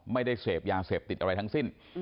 ไม่ได้เสพยาเสพติดอะไรทั้งสิ้น